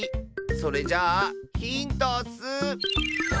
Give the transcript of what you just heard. それじゃあヒントッス！